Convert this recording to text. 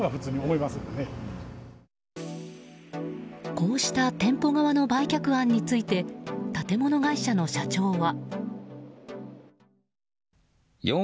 こうした店舗側の売却案について建物会社の社長は。